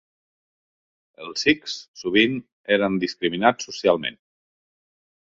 Els Sikhs, sovint eren discriminats socialment.